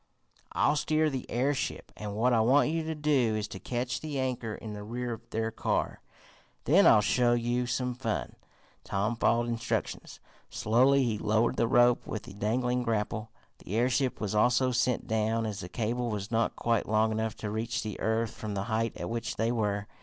I'll steer the airship, and what I want you to do is to catch the anchor in the rear of their car. Then I'll show you some fun." Tom followed instructions. Slowly he lowered the rope with the dangling grapple. The airship was also sent down, as the cable was not quite long enough to reach the earth from the height at which they were.